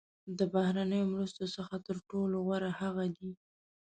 د بهرنیو مرستو څخه تر ټولو غوره هغه دي.